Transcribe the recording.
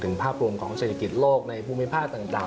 ภาพรวมของเศรษฐกิจโลกในภูมิภาคต่าง